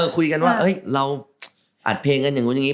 คุยกันว่าเราอัดเพลงกันอย่างนู้นอย่างนี้